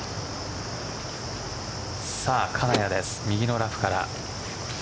金谷です、右のラフから。